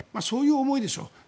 そういう思いでしょう。